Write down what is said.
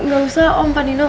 gak usah om pak nino